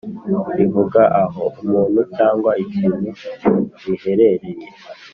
rivuga aho umuntu cyangwa ikintu biherereye